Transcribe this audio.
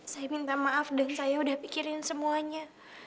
saya minta maaf dan saya sudah memikirkan semuanya